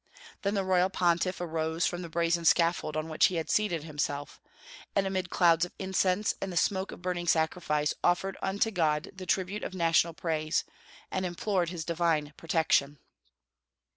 Then the royal pontiff arose from the brazen scaffold on which he had seated himself, and amid clouds of incense and the smoke of burning sacrifice offered unto God the tribute of national praise, and implored His divine protection.